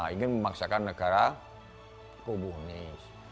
ingin memaksakan negara komunis